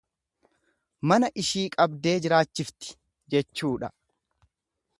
Mana ishii qabdee jiraachifti jechuudha.